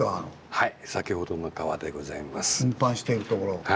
はい。